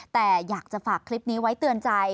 แต่อยากจะฝากคลิปนี้ไว้เตือนใจ